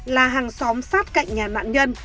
là hàng xóm sát cạnh nhà nạn nhân